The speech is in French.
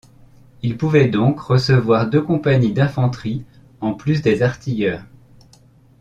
Il pouvait donc recevoir deux compagnies d’Infanterie, en plus des artilleurs.